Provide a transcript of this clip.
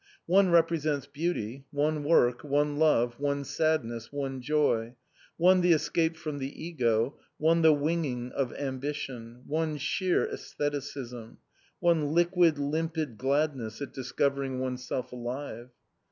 One represents beauty, one work, one love, one sadness, one joy, one the escape from the ego, one the winging of ambition, one sheer æstheticism, one liquid, limpid gladness at discovering oneself alive.